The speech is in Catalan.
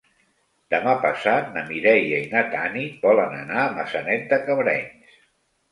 Demà passat na Mireia i na Tanit volen anar a Maçanet de Cabrenys.